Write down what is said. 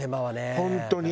本当に。